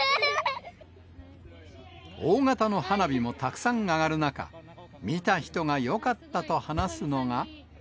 大型の花火もたくさん上がる中、見た人がよかったと話すのが。